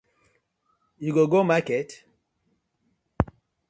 You go go market?